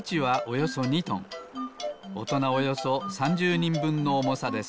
およそ３０にんぶんのおもさです。